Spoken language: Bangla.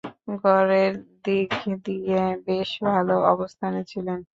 গড়ের দিক দিয়ে বেশ ভালো অবস্থানে ছিলেন।